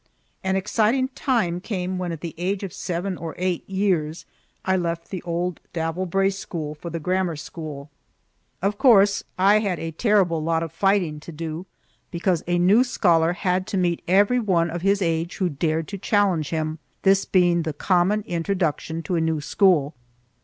An exciting time came when at the age of seven or eight years I left the auld Davel Brae school for the grammar school. Of course I had a terrible lot of fighting to do, because a new scholar had to meet every one of his age who dared to challenge him, this being the common introduction to a new school.